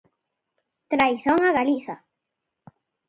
Traizón a Galiza.